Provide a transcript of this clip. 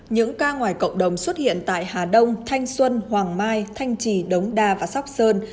những ca ngoài cộng đồng xuất hiện tại hà đông thanh xuân hoàng mai thanh trì đống đa và sóc sơn